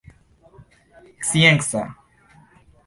scienca